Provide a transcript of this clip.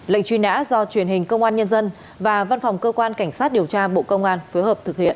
lệnh truy nã do truyền hình công an nhân dân và văn phòng cơ quan cảnh sát điều tra bộ công an phối hợp thực hiện